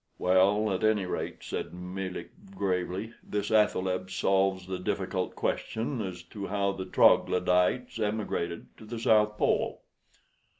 "Well, at any rate," said Melick, gravely, "this athaleb solves the difficult question as to how the Troglodytes emigrated to the South Pole."